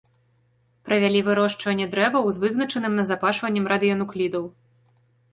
Правялі вырошчванне дрэваў з вызначаным назапашваннем радыенуклідаў.